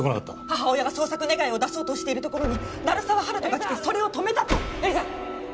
母親が捜索願を出そうとしているところに鳴沢温人が来てそれを止めたと絵里さん！